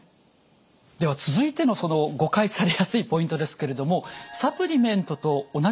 では続いての誤解されやすいポイントですけれどもサプリメントと同じ？